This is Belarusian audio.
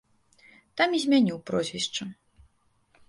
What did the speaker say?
Там і змяніў прозвішча.